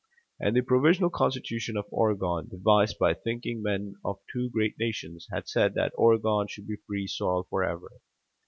And the provisional constitution of Oregon, devised by thinking men of two great nations, had said that Oregon should be free soil forever.